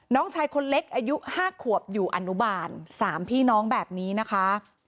น้องชายคนเล็กอายุ๕ขวบอยู่อนุบาล๓พี่น้องแบบนี้นะคะ